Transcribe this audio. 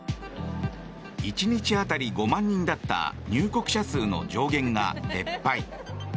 １日当たり５万人だった入国者数の上限が撤廃。